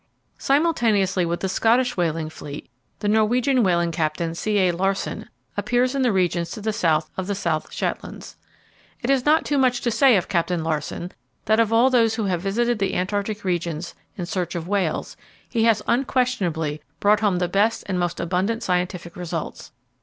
Simultaneously with the Scottish whaling fleet, the Norwegian whaling captain, C. A. Larsen, appears in the regions to the south of the South Shetlands. It is not too much to say of Captain Larsen that of all those who have visited the Antarctic regions in search of whales, he has unquestionably brought home the best and most abundant scientific results.